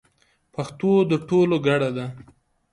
پښتو د ټولو ګډه ده.